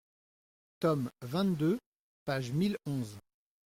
tome XXII, page mille onze.